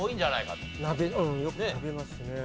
鍋よく食べますね。